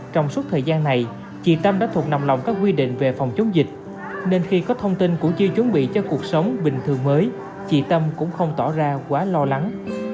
trong suốt thời gian này chị tâm đã thuộc nằm lòng các quy định về phòng chống dịch nên khi có thông tin cũng chưa chuẩn bị cho cuộc sống bình thường mới chị tâm cũng không tỏ ra quá lo lắng